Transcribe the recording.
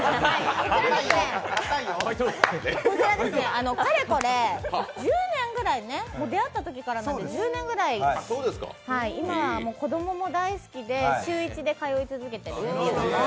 こちら、かれこれ１０年ぐらいもう出会ったときからなので１０年ぐらい今はもう子供も大好きで、週１で通い続けています。